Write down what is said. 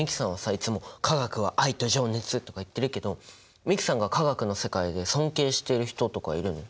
いつも化学は愛と情熱とか言ってるけど美樹さんが化学の世界で尊敬している人とかいるの？